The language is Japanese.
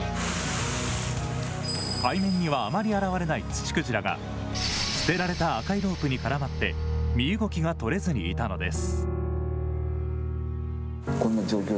海面にはあまり現れないツチクジラが捨てられた赤いロープに絡まって身動きが取れずにいたのです。